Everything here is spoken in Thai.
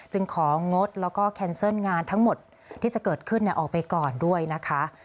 ของงดแล้วก็แคนเซิลงานทั้งหมดที่จะเกิดขึ้นออกไปก่อนด้วยนะคะ